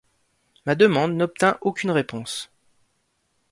Ma demande n’obtint aucune réponse.